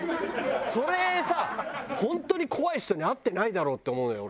それさ本当に怖い人に会ってないだろうって思うのよ